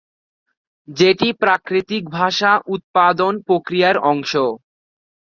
যেটি প্রাকৃতিক ভাষা উৎপাদন প্রক্রিয়ার অংশ।